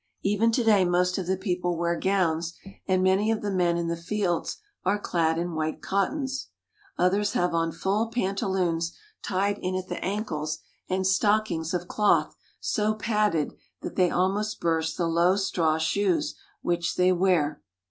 Even to day most of the people wear gowns, and many of the men in the fields are clad in white cottons. Others have on full pantaloons tied in at the ankles and stockings of cloth so padded that they almost burst the low straw shoes which they wear.